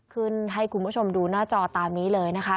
ให้คุณผู้ชมดูหน้าจอตามนี้เลยนะคะ